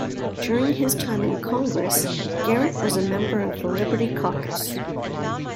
During his time in Congress, Garrett was a member of the Liberty Caucus.